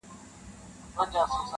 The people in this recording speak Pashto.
باطل پرستو په مزاج ډېره تره خه یم کنې-